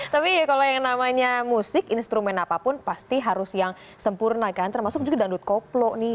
tapi kalau yang namanya musik instrumen apapun pasti harus yang sempurna kan termasuk juga dangdut koplo nih